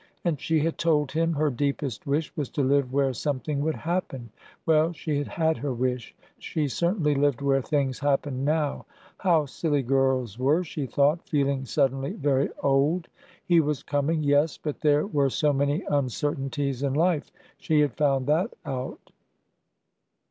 — and she had told him her deepest wish was to live where something would happen. Well, she had had her wish! she certainly lived where things happened now ! How silly girls were! she thought, feeling suddenly very old. He was coming— yes, but there were so many uncertain ties in life. She had found that out.